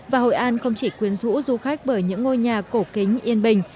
và hội an không chỉ quyến rũ du khách bởi những ngôi nhà cổ kính yên bình